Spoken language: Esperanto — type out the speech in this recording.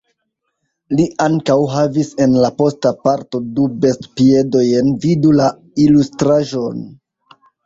Li ankaŭ havis en la posta parto du bestpiedojn vidu la ilustraĵon.